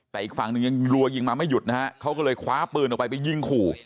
แต่อีกฝั่งหนึ่งยังรัวยิงมาไม่หยุดนะฮะเขาก็เลยคว้าปืนออกไปไปยิงขู่